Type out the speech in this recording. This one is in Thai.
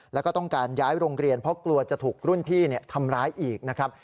แล้วก็ต้องการย้ายโรงเรียนเพราะกลัวจะถูกรุ่นพี่ทำร้ายอีกนะครับ